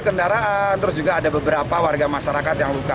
kendaraan terus juga ada beberapa warga masyarakat yang luka